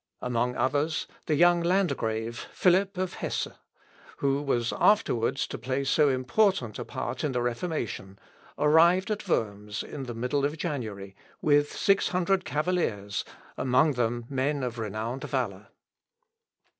Among others, the young Landgrave, Philip of Hesse, who was afterwards to play so important a part in the Reformation, arrived at Worms in the middle of January, with six hundred cavaliers, among them men of renowned valour.